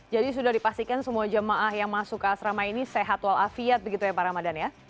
jadi sudah dipastikan semua jemaah yang masuk ke asrama ini sehat walafiat begitu ya pak ramadan ya